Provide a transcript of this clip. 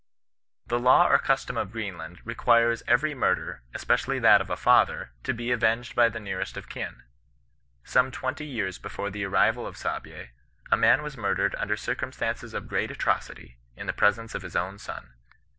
" The law or custom of Greenland requires eveiy mur der, especially that of a father, to be avenged by the nearest of kin. Some twenty years before the arrival of Saabye, a man was murdered under circumstances of great atrocity, in the presence of his own son.